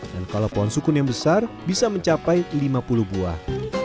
dan kalau pohon sukun yang besar bisa mencapai lima puluh buah